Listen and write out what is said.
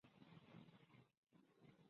殿试登进士第二甲第三名。